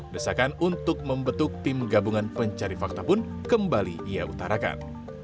desakan untuk membentuk tim gabungan pencari fakta pun kembali ia utarakan